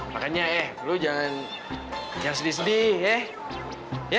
makanya eh lu jangan jangan sedih sedih ya